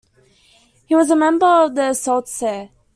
He was a member of the Sault Ste.